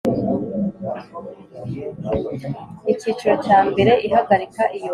Icyiciro cya mbere Ihagarika iyobora n ikumira